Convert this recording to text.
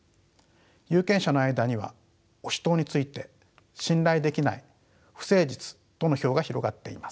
有権者の間には保守党について信頼できない不誠実との評が広がっています。